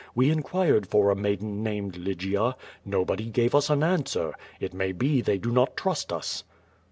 We inquired for a maiden named Lygia. Nobody gave us an answer. It may be they do not trust us.''